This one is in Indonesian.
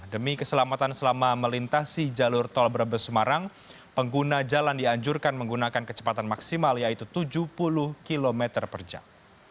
demi keselamatan selama melintasi jalur tol brebes semarang pengguna jalan dianjurkan menggunakan kecepatan maksimal yaitu tujuh puluh km per jam